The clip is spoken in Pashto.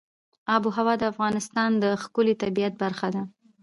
آب وهوا د افغانستان د ښکلي طبیعت برخه ده.